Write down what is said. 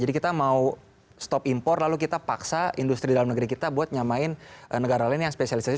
jadi kita mau stop impor lalu kita paksa industri dalam negeri kita buat nyamain negara lain yang spesialisasi